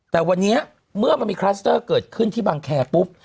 แต่วันนี้เมื่อมันมีคลัสเตอร์เกิดขึ้นที่บังแคร์ปุ๊บ